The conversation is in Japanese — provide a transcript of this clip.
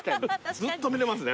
ずっと見れますね。